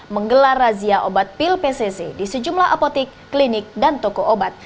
menggelar razia obat pil pcc di sejumlah apotik klinik dan toko obat